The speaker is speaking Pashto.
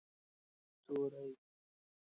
توری په خوله کې ځانګړی ځای لري.